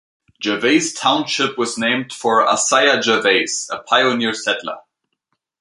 Gervais Township was named for Isiah Gervais, a pioneer settler.